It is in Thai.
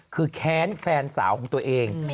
คือแค้นแฟนสาวของตัวเอง